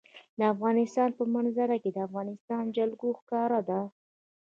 د افغانستان په منظره کې د افغانستان جلکو ښکاره ده.